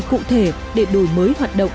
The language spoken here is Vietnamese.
cụ thể để đổi mới hoạt động